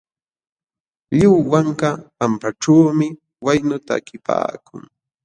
Lliw wanka pampaćhuumi waynu takipaakun.